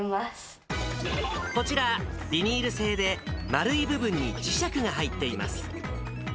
こちら、ビニール製で、丸い部分に磁石が入っています。